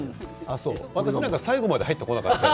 そう、私なんか最後まで入ってこない。